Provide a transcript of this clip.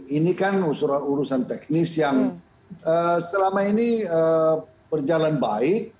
ini kan urusan teknis yang selama ini berjalan baik